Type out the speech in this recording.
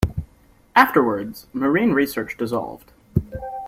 Afterwards, Marine Research dissolved.